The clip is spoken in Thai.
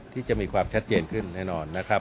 ที่จะมีความชัดเจนขึ้นแน่นอนนะครับ